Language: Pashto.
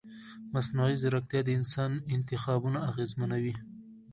مصنوعي ځیرکتیا د انسان انتخابونه اغېزمنوي.